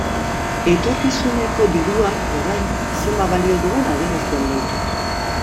Etorkizuneko diruak orain zenbat balio duen adierazten baitu.